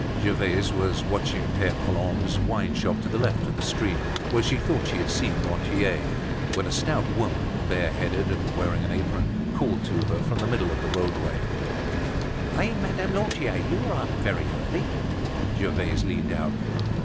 Gervaise was watching Pere Colombe's wineshop to the left of the street, where she thought she had seen Lantier, when a stout woman, bareheaded and wearing an apron called to her from the middle of the roadway: "Hey, Madame Lantier, you're up very early!" Gervaise leaned out.